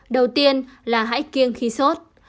đầu tiên là hãy kiêng khi sốt